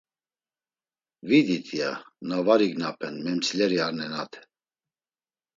“Vidit.” ya na var ignapen, memsileri ar nenate.